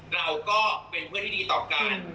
เราก็เป็นเพื่อนที่ดีต่อกัน